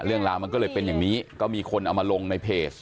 เรื่องราวมันก็เลยเป็นอย่างนี้ก็มีคนเอามาลงในเพจ